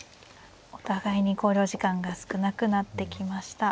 お互いに考慮時間が少なくなってきました。